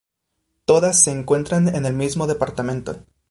Todas se encuentran en el mismo departamento.